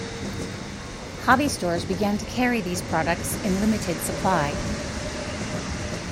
Hobby stores began to carry these products in limited supply.